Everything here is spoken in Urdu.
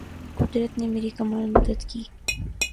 قدرت نے میری کمال مدد کی